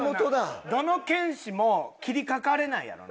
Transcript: どの剣士も斬りかかれないやろうな。